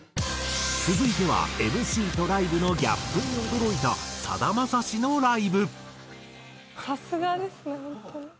続いてはＭＣとライブのギャップに驚いたさだまさしのライブ。